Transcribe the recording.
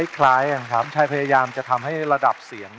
ก็มุ่นไทยมุ่นสำคัญ